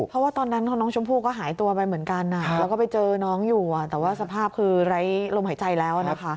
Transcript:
เพราะว่าตอนนั้นของน้องชมพู่ก็หายตัวไปเหมือนกันแล้วก็ไปเจอน้องอยู่แต่ว่าสภาพคือไร้ลมหายใจแล้วนะคะ